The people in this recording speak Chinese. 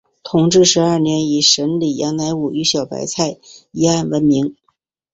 同治十二年以审理杨乃武与小白菜一案闻名。